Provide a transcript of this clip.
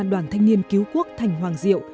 đoàn thanh niên cứu quốc thành hoàng diệu